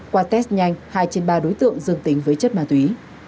qua test nhanh hai trên ba đối tượng dương tính với chất ma túy